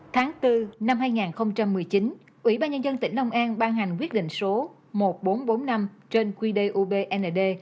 tháng bốn năm hai nghìn một mươi chín ủy ban nhân dân tỉnh long an ban hành quyết định số một nghìn bốn trăm bốn mươi năm trên qdubnd